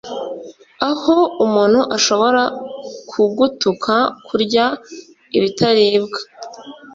aho umuntu ashobora kugutuka kurya ibitaribwa,